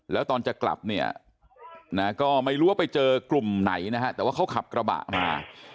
แล้วตอนจะกลับเนี่ยนะก็ไม่รู้ว่าไปเจอกลุ่มไหนนะฮะแต่ว่าเขาขับกระบะมา